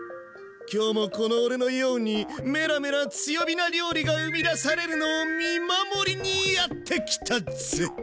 今日もこの俺のようにメラメラ強火な料理が生み出されるのを見守りにやって来たぜ！